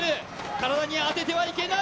体に当ててはいけない。